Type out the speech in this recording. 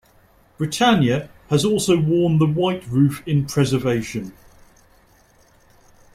"Britannia" has also worn the white roof in preservation.